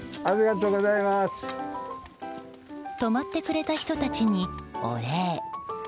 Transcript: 止まってくれた人たちにお礼。